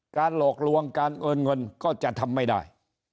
หลอกลวงการโอนเงินก็จะทำไม่ได้